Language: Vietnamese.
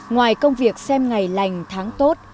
ngoài công việc xem ngày lành tháng tốt